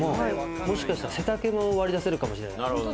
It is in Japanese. もしかしたら背丈も割り出せるかもしれない。